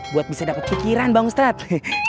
buat bisa dapat pikiran bang ustadz